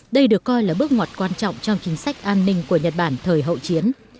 đây được coi là bước ngoặt quan trọng trong chính sách an ninh của nhật bản thời hậu chiến